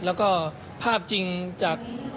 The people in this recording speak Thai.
แล้วก็ภาพจริงจาก